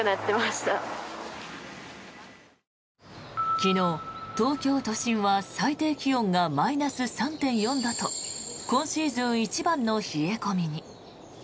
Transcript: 昨日、東京都心は最低気温がマイナス３．４度と今シーズン一番の冷え込みに。